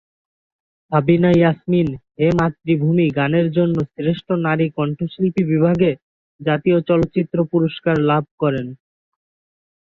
সাবিনা ইয়াসমিন "হে মাতৃভূমি" গানের জন্য শ্রেষ্ঠ নারী কণ্ঠশিল্পী বিভাগে জাতীয় চলচ্চিত্র পুরস্কার লাভ করেন।